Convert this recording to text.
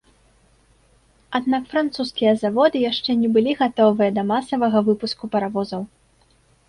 Аднак французскія заводы яшчэ не былі гатовыя да масавага выпуску паравозаў.